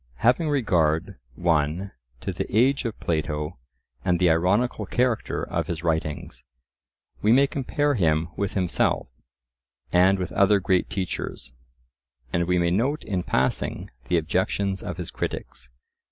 Having regard (1) to the age of Plato and the ironical character of his writings, we may compare him with himself, and with other great teachers, and we may note in passing the objections of his critics.